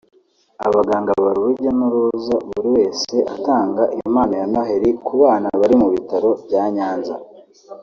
Abaganga bari urujya n’uruza buri wese atanga impano ya Noheri ku bana bari mu bitaro bya Nyanza